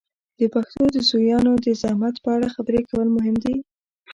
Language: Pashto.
د پښتو د زویانو د زحمت په اړه خبرې کول مهم دي.